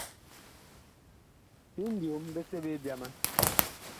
Biŋ byom bi seɓe byama.